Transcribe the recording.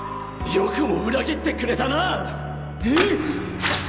よくも裏切ってくれたなっ